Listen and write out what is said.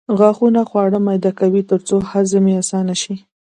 غاښونه خواړه میده کوي ترڅو هضم یې اسانه شي